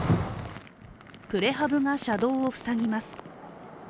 プレハブが車道を塞ぎます。